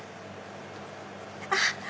あっ！